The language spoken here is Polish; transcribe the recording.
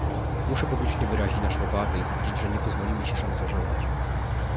Muszę publicznie wyrazić nasze obawy i powiedzieć, że nie pozwolimy się szantażować